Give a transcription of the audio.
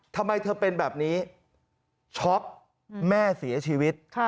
ทำไมเธอเป็นแบบนี้ช็อกแม่เสียชีวิต